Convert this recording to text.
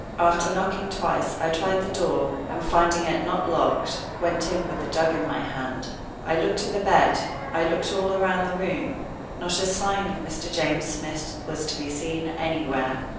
After knocking twice I tried the door, and, finding it not locked, went in with the jug in my hand. I looked at the bed I looked all round the room. Not a sign of Mr. James Smith was to be seen anywhere.